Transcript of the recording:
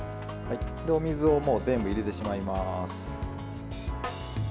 お水を全部入れてしまいます。